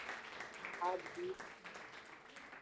Abwi.